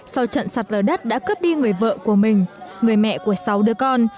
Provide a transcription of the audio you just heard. sau trận sạt lở đất đã cướp đi người vợ của mình người mẹ của sáu đứa con